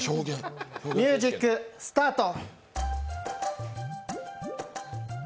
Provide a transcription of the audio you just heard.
ミュージックスタート。